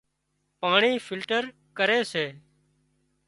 پاڻي فلٽر ڪري سي